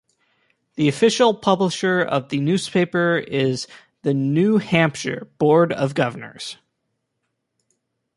The official publisher of the newspaper is "The New Hampshire" Board of Governors.